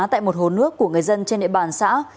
tại một hồ nước của người dân trên địa bàn xã